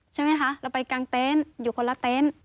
ใช่ไหมคะเราไปกลางเต็นต์อยู่คนละเต็นต์